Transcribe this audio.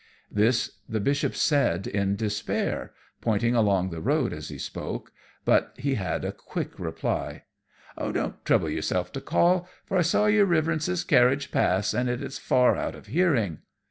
This the Bishop said in despair, pointing along the road as he spoke, but he had a quick reply. "Don't trouble yourself to call, for I saw your Riverence's carriage pass, and it is far out of hearing."